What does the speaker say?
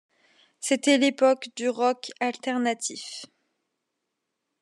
C'était l'époque du rock alternatif.